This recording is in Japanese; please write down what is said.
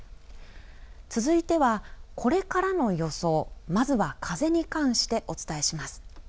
続いては、これからの予想まずは風に関してお伝えします。